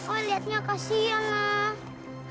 oh lihatnya kasian lah